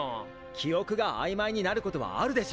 記憶が曖昧になることはあるでしょう？